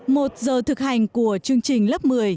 một giờ thực hành của chương trình lớp một mươi